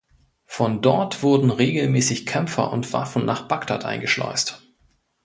Von dort wurden regelmäßig Kämpfer und Waffen nach Bagdad eingeschleust.